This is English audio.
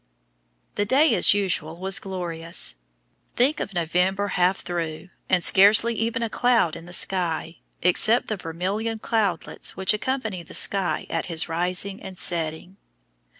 The day, as usual, was glorious. Think of November half through and scarcely even a cloud in the sky, except the vermilion cloudlets which accompany the sun at his rising and setting!